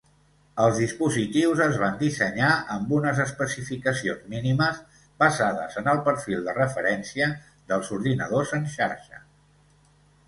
Els dispositius es van dissenyar amb unes especificacions mínimes, basades en el Perfil de referència dels ordinadors en xarxa.